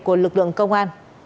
của lực lượng công an